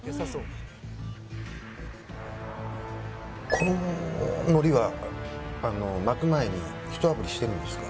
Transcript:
この海苔は巻く前にひとあぶりしてるんですか？